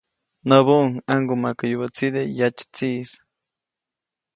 Näbuʼuŋ ‒ʼaŋgumaʼkäyubäʼtside yatsytsiʼis‒.